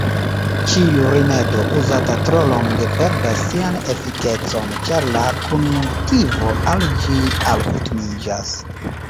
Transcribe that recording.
Ĉiu rimedo, uzata tro longe, perdas sian efikecon, ĉar la konjunktivo al ĝi alkutimiĝas.